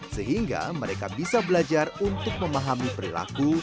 sehingga mereka bisa belajar untuk memahami perilaku